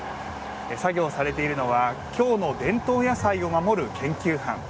作業をされているのは京の伝統野菜を守る研究班。